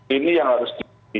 ini yang harus